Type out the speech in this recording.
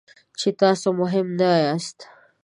چې تاسو مهم نه یاست.